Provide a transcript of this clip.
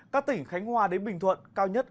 các tỉnh khánh hòa đến bình thuận cao nhất